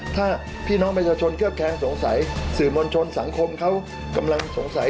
ถ้าพี่น้องประชาชนเคลือบแคงสงสัยสื่อมวลชนสังคมเขากำลังสงสัย